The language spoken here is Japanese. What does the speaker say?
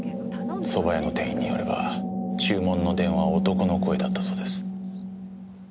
そば屋の店員によれば注文の電話は男の声だったそうです。